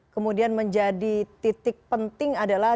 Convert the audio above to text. kemudian menjadi titik penting adalah